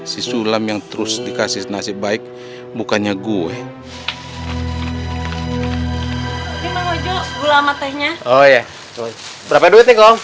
sih sulam yang terus dikasih nasib baik bukannya gue ngomong ngomong berapa duit